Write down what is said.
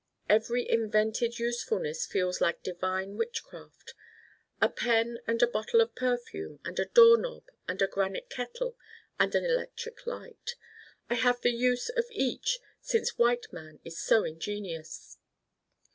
Every invented usefulness feels like divine witchcraft. A pen and a bottle of perfume and a door knob and a granite kettle and an electric light: I have the use of each since white man is so ingenious.